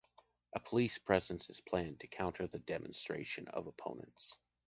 A police presence is planned to counter the demonstration of opponents.